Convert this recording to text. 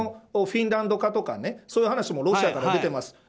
フィンランド化とかそういう話もロシアから出ています。